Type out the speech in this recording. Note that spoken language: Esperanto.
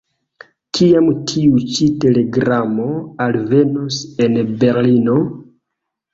Kiam tiu ĉi telegramo alvenos en Berlino?